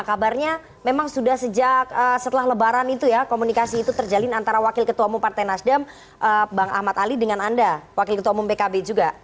kabarnya memang sudah sejak setelah lebaran itu ya komunikasi itu terjalin antara wakil ketua umum partai nasdem bang ahmad ali dengan anda wakil ketua umum pkb juga